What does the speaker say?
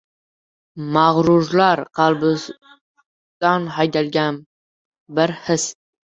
Mag‘rurlar qalbidan haydalgan bir his.